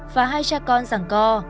và hai cha con giảng co